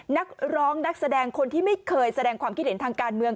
นักร้องนักแสดงคนที่ไม่เคยแสดงความคิดเห็นทางการเมือง